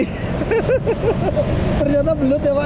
ternyata belut ya pak